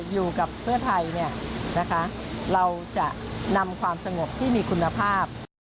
อยู่กับเพื่อไทยเราจะนำความสงบที่มีคุณภาพ